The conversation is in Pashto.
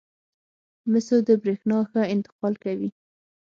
مسو د برېښنا ښه انتقال کوي.